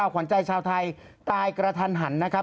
ขวัญใจชาวไทยตายกระทันหันนะครับ